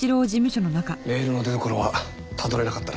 メールの出どころはたどれなかったらしい。